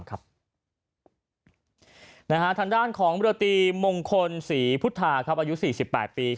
ทางด้านของเรือตีมงคลศรีพุทธาอายุ๔๘ปี